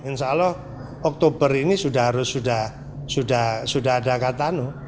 insya allah oktober ini sudah ada kata